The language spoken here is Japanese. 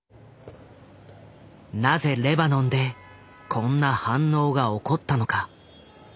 なぜレバノンでこんな反応が起こったのか？